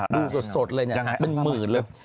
ดูสดเลยยังไงเป็นหมื่นเลย